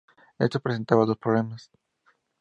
Esto presentaba dos problemas.